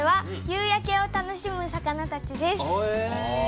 「夕焼けを楽しむ魚たち」です。